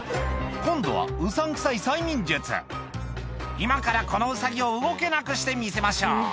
今度はうさんくさい催眠術「今からこのウサギを動けなくしてみせましょう」